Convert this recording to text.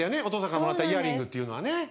お父さんからもらったイヤリングっていうのはね。